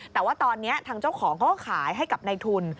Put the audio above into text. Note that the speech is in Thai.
แต่ว่าตอนนี้ทางเจ้าของเขาก็ขายให้กับในทุน